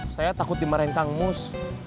saya takut dimarahin tangmus